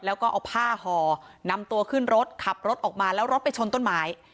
แล้วก็เอาผ้าห่อนำตัวขึ้นรถขับรถออกมาแล้วรถไปชนต้นไม้